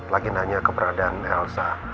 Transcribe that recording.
lagi nanya keberadaan elsa